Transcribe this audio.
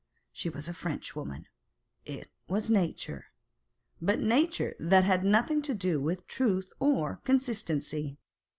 She was a Frenchwoman. It was nature, .but nature that had nothing to do with truth or consistency.